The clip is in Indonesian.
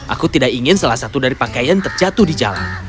aku tidak ingin salah satu dari pakaian terjatuh di jalan